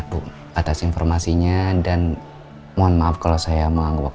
kenapa emang kalau perempuan